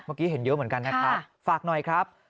เมื่อกี้เห็นเยอะเหมือนกันนะครับฝากหน่อยครับ